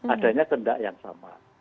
adanya kendak yang sama